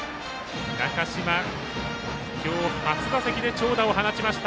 中島、今日初打席で長打を放ちました。